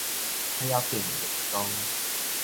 較要緊的就是講